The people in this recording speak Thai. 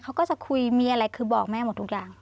เขาก็จะคุยมีอะไรคือบอกแม่หมดทุกอย่าง